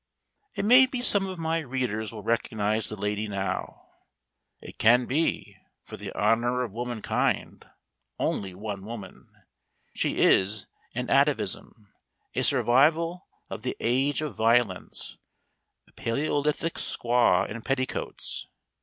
_" It may be some of my readers will recognise the lady now. It can be for the honour of womankind only one woman. She is an atavism, a survival of the age of violence, a Palæolithic squaw in petticoats.